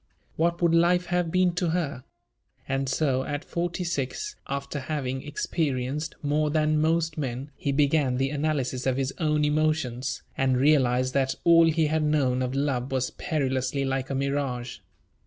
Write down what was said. What would life have been to her? And so, at forty six, after having experienced more than most men, he began the analysis of his own emotions, and realized that all he had known of love was perilously like a mirage.